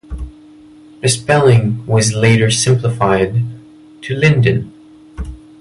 The spelling was later simplified to Linden.